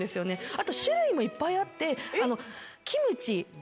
あと種類もいっぱいあって。